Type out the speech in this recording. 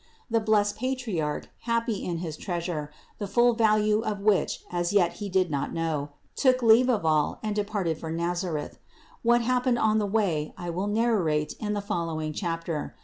The blessed Patriarch, happy in his Treasure, the full value of which as yet he did not know, took leave of all and departed for Nazareth : what happened on the way I will narrate in the following chapter.